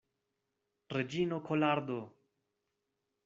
Reĝino Kolardo!